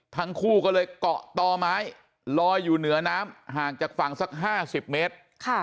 ทั้งคู่ก็เลยเกาะต่อไม้ลอยอยู่เหนือน้ำห่างจากฝั่งสัก๕๐เมตร